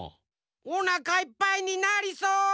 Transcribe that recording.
おなかいっぱいになりそう。